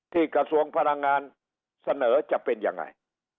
กระทรวงพลังงานเสนอจะเป็นยังไง